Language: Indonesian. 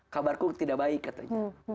kabarku tidak baik katanya